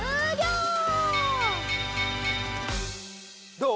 どう？